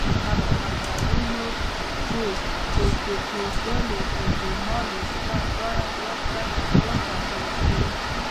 هغه خطرونه چې د پېښېدلو احتمال یې شته، باید ورته وکتل شي.